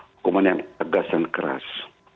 hukuman yang tegas dan keras